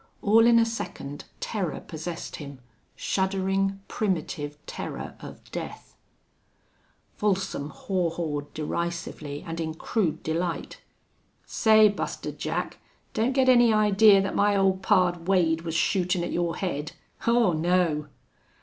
All in a second terror possessed him shuddering, primitive terror of death. Folsom haw hawed derisively and in crude delight. "Say, Buster Jack, don't get any idee thet my ole pard Wade was shootin' at your head. Aw, no!"